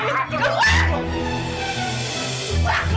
sekarang kamu bisa keluar